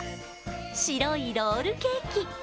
白いロールケーキ。